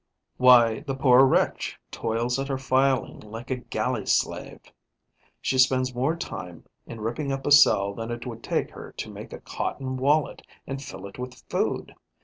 Why, the poor wretch toils at her filing like a galley slave! She spends more time in ripping up a cell than it would take her to make a cotton wallet and fill it with food.